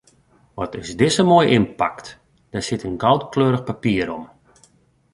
Wat is dizze moai ynpakt, der sit in goudkleurich papier om.